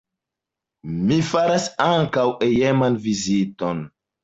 Mi faras ankaŭ hejman viziton.